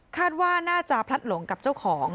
คาดว่าน่าจะพลัดหลงกับเจ้าของ